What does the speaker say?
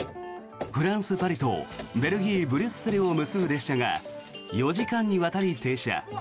フランス・パリとベルギー・ブリュッセルを結ぶ列車が４時間にわたり停車。